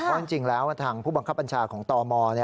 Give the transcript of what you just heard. เพราะจริงแล้วทางผู้บังคับบัญชาของตม